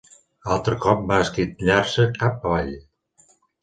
Altre cop va esquitllar-se cap avall